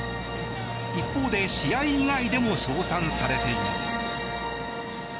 一方で、試合以外でも称賛されています。